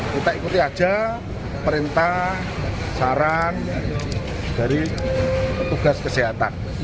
kita ikuti aja perintah saran dari petugas kesehatan